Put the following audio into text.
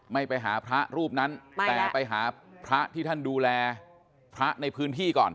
ไม่ไปหาพระรูปนั้นแต่ไปหาพระที่ท่านดูแลพระในพื้นที่ก่อน